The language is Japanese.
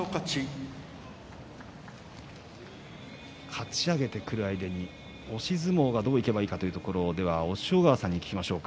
かち上げてくる相手に押し相撲がどういけばいいかというところ押尾川さんに伺いましょう。